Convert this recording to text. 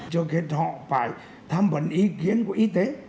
cho kết họ phải tham vấn ý kiến của y tế